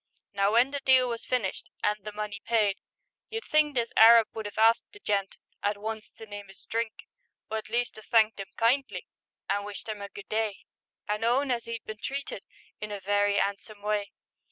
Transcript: Now when the deal was finished And the money paid, you'd think This Arab would 'ave asked the gent At once to name 'is drink, Or at least 'ave thanked 'im kindly, An' wished 'im a good day, And own as 'e'd been treated In a very 'andsome way.